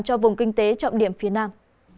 cho vùng kinh tế trọng điểm phía nam